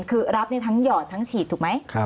คือรับทั้งหยอดทั้งฉีดถูกไหม